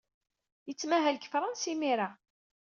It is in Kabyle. Yettmahal deg Fṛansa imir-a.